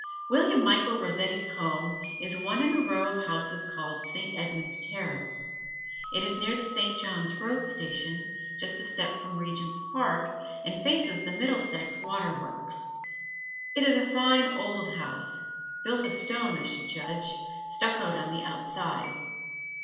William Michael Rossetti's home is one in a row of houses called Saint Edmund's Terrace. It is near the Saint John's Road Station, just a step from Regent's Park, and faces the Middlesex Waterworks. It is a fine old house, built of stone I should judge, stuccoed on the outside.